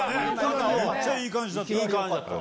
めっちゃいい感じだった。